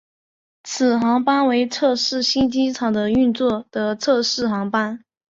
此航班为测试新机场的运作的测试航班。